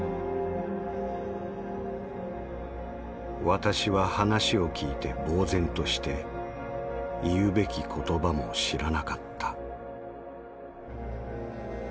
「私は話を聞いて呆然として言うべき言葉も知らなかった」。